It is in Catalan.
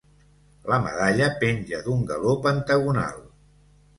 La medalla penja d'un galó pentagonal.